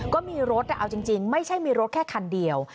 ก็มีรถแต่เอาจริงไม่ใช่มีรถแค่คันเดียว